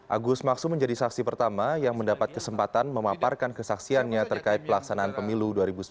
agus maksum menjadi saksi pertama yang mendapat kesempatan memaparkan kesaksiannya terkait pelaksanaan pemilu dua ribu sembilan belas